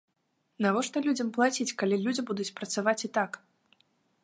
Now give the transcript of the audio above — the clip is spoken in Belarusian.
Навошта людзям плаціць, калі людзі будуць працаваць і так?